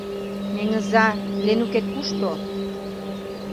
Меҥыза, Ленукет кушто?